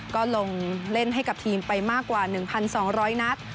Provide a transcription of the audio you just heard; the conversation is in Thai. ก็ลงเล่นให้กับทีมไปมากกว่า๑๒๐๐นัด